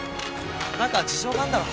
何か事情があるんだろ。